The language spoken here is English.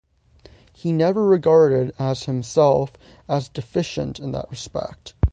He never regarded as himself as deficient in that respect.